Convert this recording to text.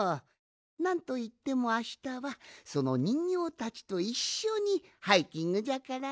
なんといってもあしたはそのにんぎょうたちといっしょにハイキングじゃからな。